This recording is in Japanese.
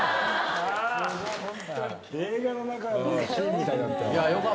映画の中のシーンみたいだった。